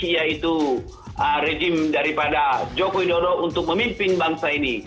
yaitu rejim daripada joko widodo untuk memimpin bangsa ini